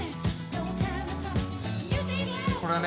これはね